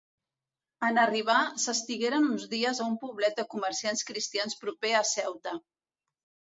En arribar, s'estigueren uns dies a un poblet de comerciants cristians proper a Ceuta.